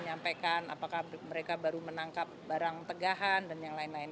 menyampaikan apakah mereka baru menangkap barang tegahan dan yang lain lain